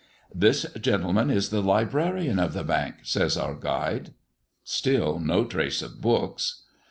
"This gentleman is the librarian of the Bank;" says our guide. Still no trace of books.